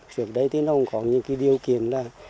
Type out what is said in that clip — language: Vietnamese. trước đây thì nó cũng có những cái điều kiện là